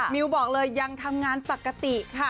มิวบอกเลยยังทำงานปกติค่ะ